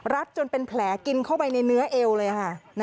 จนเป็นแผลกินเข้าไปในเนื้อเอวเลยค่ะ